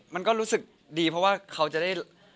มันก็รู้สึกดีเพราะว่าเขาจะได้